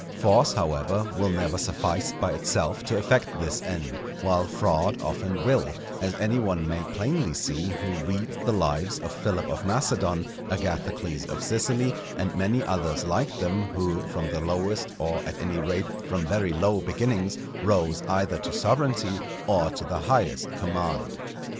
Force, however, will never suffice by itself to effect this end, while fraud often will, as any one may plainly see who reads the lives of Philip of Macedon, Agathocles of Sicily, and many others like them, who from the lowest or, at any rate, from very low beginnings, rose either to sovereignty or to the highest command.